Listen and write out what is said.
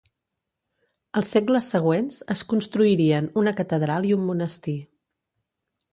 Als segles següents es construirien una catedral i un monestir.